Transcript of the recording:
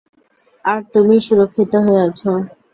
আর তুমিই সুরক্ষিত হয়ে আছো।